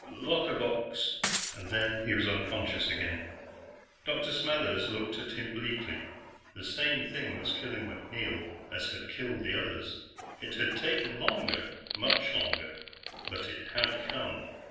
"Locker box." And then he was unconscious again. Dr. Smathers looked at him bleakly. The same thing was killing MacNeil as had killed the others. It had taken longer much longer. But it had come.